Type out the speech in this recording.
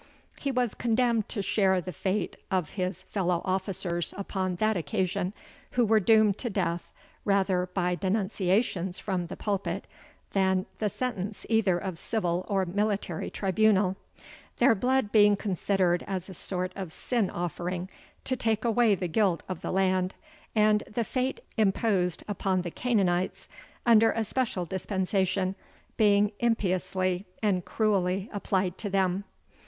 He was condemned to share the fate of his fellow officers upon that occasion, who were doomed to death rather by denunciations from the pulpit, than the sentence either of civil or military tribunal; their blood being considered as a sort of sin offering to take away the guilt of the land, and the fate imposed upon the Canaanites, under a special dispensation, being impiously and cruelly applied to them.